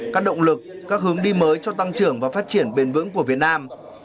các động lực các hướng đi mới cho tăng trưởng và phát triển bền vững của việt nam